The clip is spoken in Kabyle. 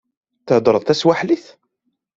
Theddreḍ taswaḥilit?